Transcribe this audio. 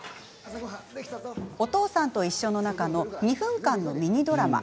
「おとうさんといっしょ」の中の２分間のミニドラマ。